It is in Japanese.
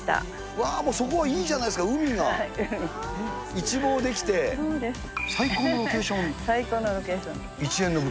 わー、もうそこはいいじゃないですか、海が一望できて、最高のロケーシ最高のロケーション。